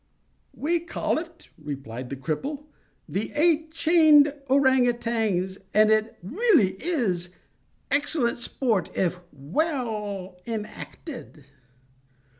"We call it," replied the cripple, "the Eight Chained Ourang Outangs, and it really is excellent sport if well enacted."